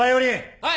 はい！